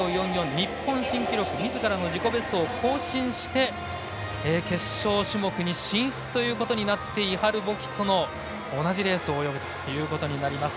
日本新記録みずからのベストを更新して決勝種目に進出となってイハル・ボキとの同じレースを泳ぐことになります。